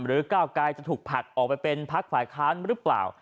หรือก้าวกรายจะถูกผลักออกไปเป็นภักร์ฝ่ายค้านหรือเปล่า